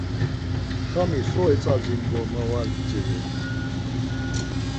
Xami so etzadzin do ma var bdzirom!